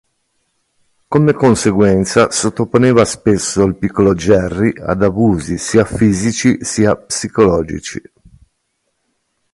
Come conseguenza sottoponeva spesso il piccolo Jerry ad abusi sia fisici sia psicologici.